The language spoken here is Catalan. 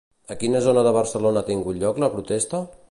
A quina zona de Barcelona ha tingut lloc la protesta?